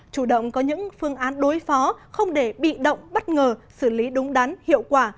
chủ động có những phương án đối phó không để bị động bất ngờ xử lý đúng đắn hiệu quả